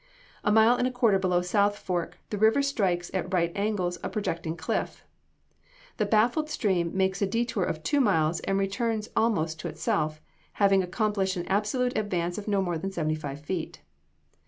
A mile and a quarter below South Fork the river strikes at right angles a projecting cliff. The baffled stream makes a detour of two miles and returns almost into itself, having accomplished an absolute advance of no more than seventy five feet.